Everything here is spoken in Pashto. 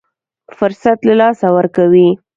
فرصت له لاسه ورکوي.